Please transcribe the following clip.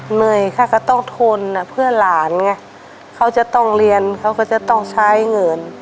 เหนื่อยค่ะก็ต้องทนเพื่อหลานไงเขาจะต้องเรียนเขาก็จะต้องใช้เงิน